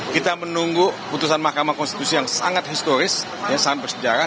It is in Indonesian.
kita menunggu putusan mahkamah konstitusi yang sangat historis sangat bersejarah